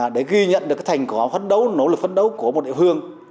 để ghi nhận được thành quả phấn đấu nỗ lực phấn đấu của một địa phương